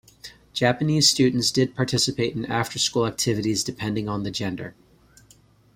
Japanese students did participate in after-school activities depending on the gender.